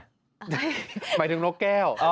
หมายถึงนกแก้ว